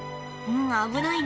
危ないね。